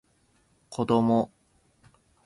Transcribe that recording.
こども